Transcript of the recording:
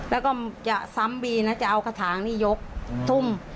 แล้วก็จะซ้ำบีนะจะเอากระถางนี่ยกทุ่ม